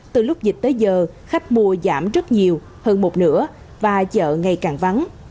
từ lúc dịch tới giờ khách mua giảm rất nhiều hơn một nửa và chợ ngày càng vắng